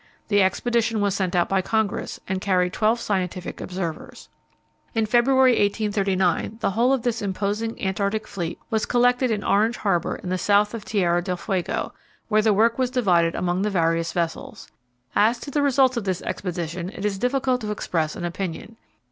The expedition was sent out by Congress, and carried twelve scientific observers. In February, 1839, the whole of this imposing Antarctic fleet was collected in Orange Harbour in the south of Tierra del Fuego, where the work was divided among the various vessels. As to the results of this expedition it is difficult to express an opinion.